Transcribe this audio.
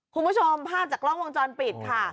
คุณผู้ชมภาพจากกล้องวงจรปิดค่ะ